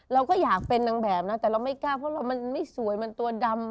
เราก็อยากเป็นนางแบบนะแต่เราไม่กล้าเพราะเรามันไม่สวยมันตัวดำ